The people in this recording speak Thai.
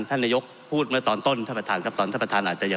เพราะมันก็มีเท่านี้นะเพราะมันก็มีเท่านี้นะ